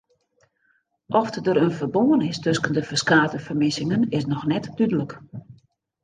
Oft der in ferbân is tusken de ferskate fermissingen is noch net dúdlik.